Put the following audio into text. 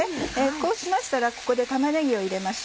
こうしましたらここで玉ねぎを入れましょう。